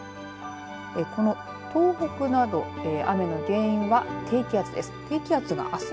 この東北など雨の原因は、低気圧です。